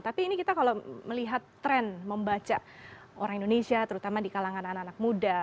tapi ini kita kalau melihat tren membaca orang indonesia terutama di kalangan anak anak muda